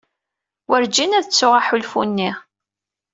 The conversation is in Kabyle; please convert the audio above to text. Werǧin ad ttuɣ aḥulfu-nni.